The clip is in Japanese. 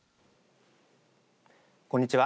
こんにちは。